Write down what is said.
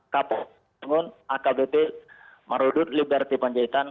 kabupaten simolungun akbp marudut liberty panjaitan